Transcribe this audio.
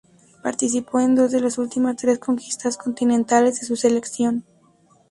Participó en dos de las últimas tres conquistas continentales de su selección.